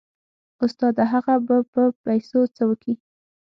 استاده هغه به په پيسو څه وكي.